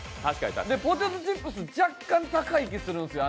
ポテトチップス若干高い気がするんですよ。